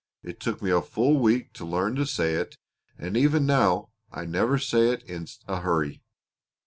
It took me full a week to learn to say it, and even now I never say it in a hurry.